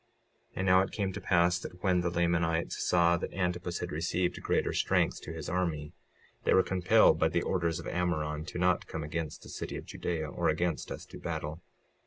56:18 And now it came to pass that when the Lamanites saw that Antipus had received a greater strength to his army, they were compelled by the orders of Ammoron to not come against the city of Judea, or against us, to battle.